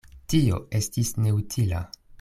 Tio estis neutila.